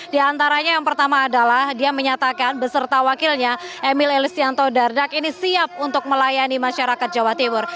di antaranya yang pertama adalah dia menyatakan beserta wakilnya emil elistianto dardak ini siap untuk melayani masyarakat jawa timur